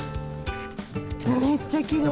めっちゃきれいね。